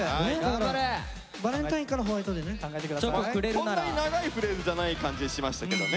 そんなに長いフレーズじゃない感じしましたけどね。